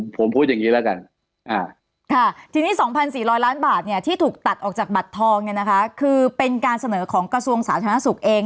ผมพูดอย่างงี้แล้วค่ะ๒พัน๔ล้อยล้านบาทเนี่ยที่ถูกตัดออกจากบาททองที่นะคะคือเป็นการเสนอของกระทรวงสาธารณสุขเองหรือว่า